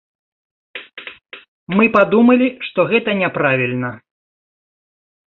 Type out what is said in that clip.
Мы падумалі, што гэта няправільна.